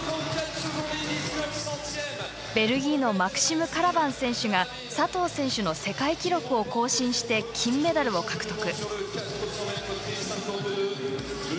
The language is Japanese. ベルギーのマクシム・カラバン選手が佐藤選手の世界記録を更新して金メダルを獲得。